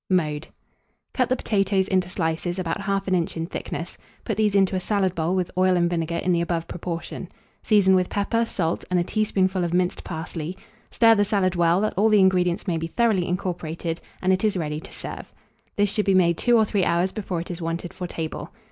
Mode. Cut the potatoes into slices about 1/2 inch in thickness; put these into a salad bowl with oil and vinegar in the above proportion; season with pepper, salt, and a teaspoonful of minced parsley; stir the salad well, that all the ingredients may be thoroughly incorporated, and it is ready to serve. This should be made two or three hours before it is wanted for table.